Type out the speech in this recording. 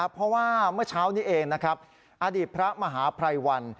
เพราะว่าเมื่อเช้านี้เองอดีตพระมหาภรรยวรรณ